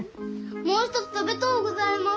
もう一つ食べとうございます。